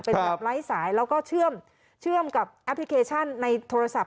เป็นแบบไร้สายแล้วก็เชื่อมกับแอปพลิเคชันในโทรศัพท์